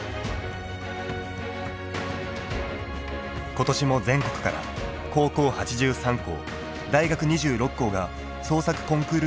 今年も全国から高校８３校大学２６校が創作コンクール部門に参加しました。